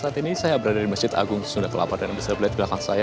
saat ini saya berada di masjid agung sunda kelapa dan bisa dilihat di belakang saya